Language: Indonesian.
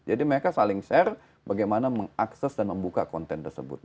jadi mereka saling share bagaimana mengakses dan membuka konten tersebut